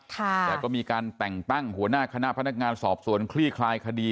แต่ก็มีการแต่งตั้งหัวหน้าคณะพนักงานสอบสวนคลี่คลายคดี